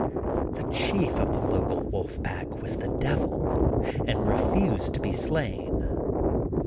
The chief of the local wolf pack was the Devil, and refused to be slain.